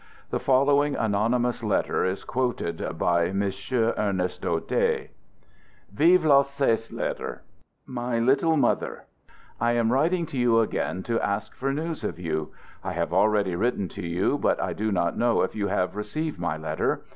The following anonymous let ter is quoted by M. Ernest Daudet: My little mother: I am writing to you again to ask for news of you. I have already written to you, but I do not know if you have received my letter.